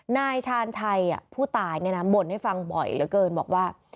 นายชาญชัยผู้ตายบ่นให้ฟังบ่อยเหลือเกินบอกว่า